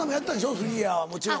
フィギュアはもちろん。